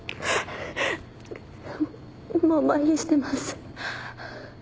もうまひしてます。